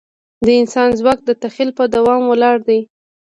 د انسان ځواک د تخیل په دوام ولاړ دی.